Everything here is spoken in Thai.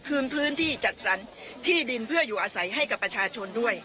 คืนพื้นที่จัดสรรที่ดินเพื่ออยู่อาศัยให้กับประชาชนด้วย